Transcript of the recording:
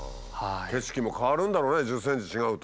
景色も変わるんだろうね１０ｃｍ違うと。